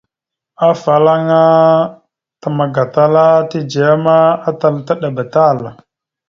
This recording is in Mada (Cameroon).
Afalaŋa təmak gatala tidzeya ma, atal taɗəba tal.